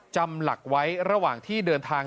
จำหลักไว้ระหว่างที่เดินทาง